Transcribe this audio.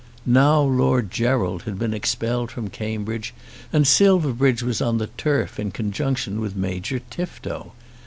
Now Lord Gerald had been expelled from Cambridge, and Silverbridge was on the turf in conjunction with Major Tifto!